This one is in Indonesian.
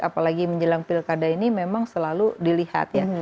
apalagi menjelang pilkada ini memang selalu dilihat ya